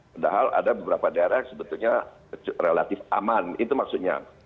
padahal ada beberapa daerah yang sebetulnya relatif aman itu maksudnya